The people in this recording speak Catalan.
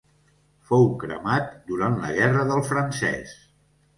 Fou cremat durant la guerra del francès.